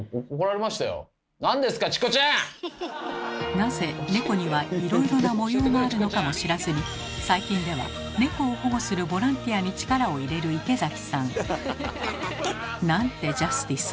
なぜ猫にはいろいろな模様があるのかも知らずに最近では猫を保護するボランティアに力を入れる池崎さん。なんてジャスティス。